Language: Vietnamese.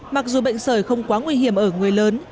mặc dù bệnh sởi không quá nguy hiểm ở người lớn